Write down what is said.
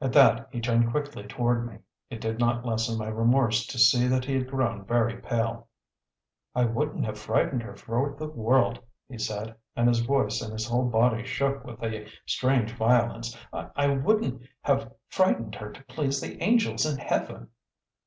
At that he turned quickly toward me; it did not lessen my remorse to see that he had grown very pale. "I wouldn't have frightened her for the world," he said, and his voice and his whole body shook with a strange violence. "I wouldn't have frightened her to please the angels in heaven!"